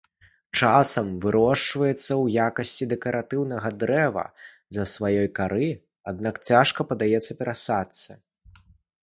Часам вырошчваецца ў якасці дэкаратыўнага дрэва з-за сваёй кары, аднак цяжка паддаецца перасадцы.